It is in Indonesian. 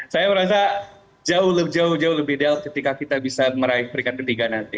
saya merasa jauh lebih jauh lebih jauh lebih jauh ketika kita bisa meraih peringkat ketiga nanti